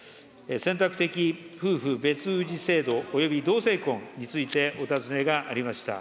選択的夫婦別氏制度、および同性婚について、お尋ねがありました。